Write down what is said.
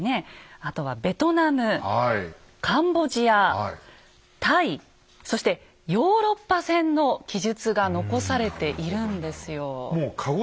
あとはベトナムカンボジアタイそしてヨーロッパ船の記述が残されているんですよ。